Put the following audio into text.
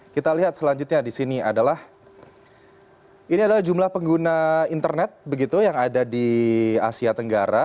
kita lihat selanjutnya di sini adalah ini adalah jumlah pengguna internet begitu yang ada di asia tenggara